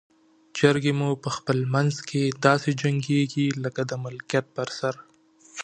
چرګې مو په خپل منځ کې داسې جنګیږي لکه د ملکیت پر سر.